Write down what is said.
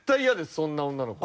そんな女の子。